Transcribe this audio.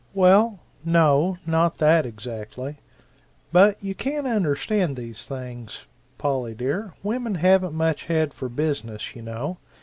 "Well, no not that exactly; but you can't understand these things, Polly dear women haven't much head for business, you know.